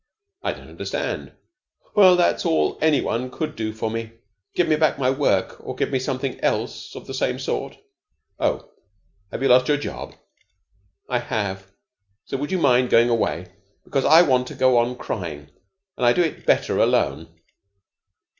"I don't understand." "Well, that's all any one could do for me give me back my work or give me something else of the same sort." "Oh, have you lost your job?" "I have. So would you mind going away, because I want to go on crying, and I do it better alone.